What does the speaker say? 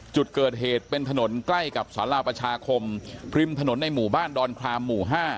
จุดเกิดเหตุเป็นถนนใกล้กับสาราประชาคมริมถนนในหมู่บ้านดอนครามหมู่๕